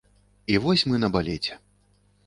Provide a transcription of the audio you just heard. І вось мы на балеце.